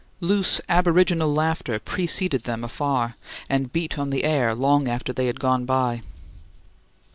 Loose, aboriginal laughter preceded them afar, and beat on the air long after they had gone by.